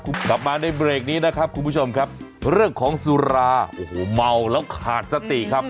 กลับมาในเบรกนี้นะครับคุณผู้ชมครับเรื่องของสุราโอ้โหเมาแล้วขาดสติครับ